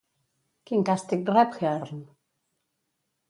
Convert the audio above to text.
Quin càstig rep Hearn?